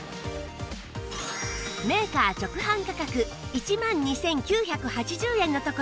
メーカー直販価格１万２９８０円のところ